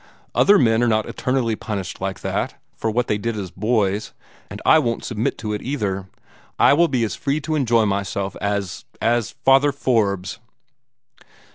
Other men are not eternally punished like that, for what they did as boys, and I won't submit to it either. I will be as free to enjoy myself as as Father Forbes."